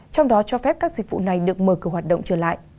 trong đó cho phép các dịch vụ này được mở cửa hoạt động trở lại